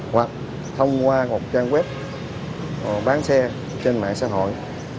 hoặc thông qua một trang web bán xe trên mạng xã hội